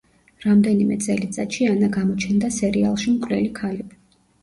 რამდენიმე წელიწადში ანა გამოჩნდა სერიალში „მკვლელი ქალები“.